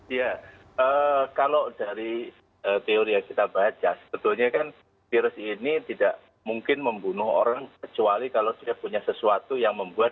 iya kalau dari teori yang kita baca sebetulnya kan virus ini tidak mungkin membunuh orang kecuali kalau sudah punya sesuatu yang membuat